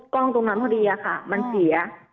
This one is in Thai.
กล้องตรงนั้นพอดีค่ะมันเสีย